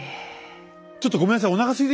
ちょっとごめんなさい。